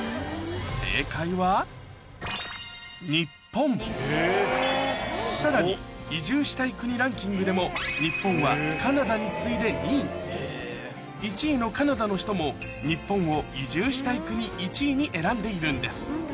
正解はさらに移住したい国ランキングでも日本はカナダに次いで２位１位のカナダの人も日本を移住したい国１位に選んでいるんです